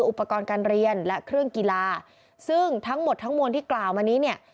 อุปกรณ์การเรียนและเครื่องกีฬาซึ่งทั้งหมดทั้งมวลที่กล่าวมานี้เนี่ย